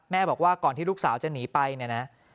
บอกว่าก่อนที่ลูกสาวจะหนีไปเนี่ยนะ